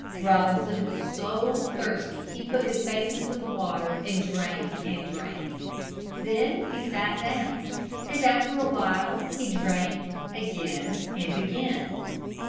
Robinson was so thirsty he put his face into the water and drank and drank. Then he sat down, and after a while he drank again and again.